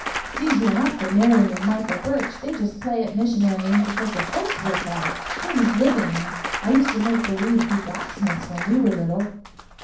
It's easy enough for Mary and Martha Burch; they just play at missionarying because their folks work at it, same as Living and I used to make believe be blacksmiths when we were little."